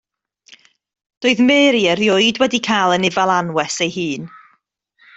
Doedd Mary erioed wedi cael anifail anwes ei hun.